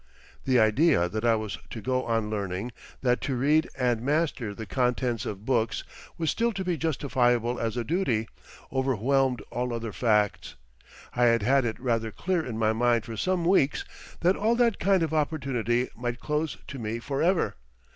The idea that I was to go on learning, that to read and master the contents of books was still to be justifiable as a duty, overwhelmed all other facts. I had had it rather clear in my mind for some weeks that all that kind of opportunity might close to me for ever.